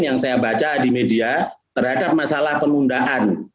yang saya baca di media terhadap masalah penundaan